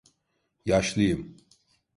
Yaşlıyım.